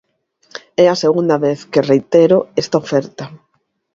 É a segunda vez que reitero esta oferta.